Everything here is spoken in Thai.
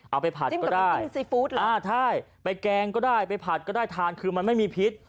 เอาไปผัดก็ได้ใช่ไปแกงก็ได้ไปผัดก็ได้ทานคือมันไม่มีพิษ